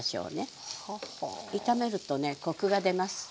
炒めるとねコクが出ます。